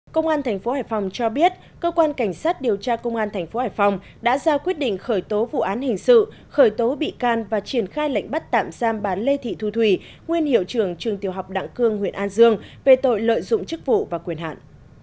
công an tp hải phòng cho biết cơ quan cảnh sát điều tra công an tp hải phòng đã ra quyết định khởi tố vụ án hình sự khởi tố bị can và triển khai lệnh bắt tạm giam bà lê thị thu thủy nguyên hiệu trưởng trường tiểu học đặng cương huyện an dương về tội lợi dụng chức vụ và quyền hạn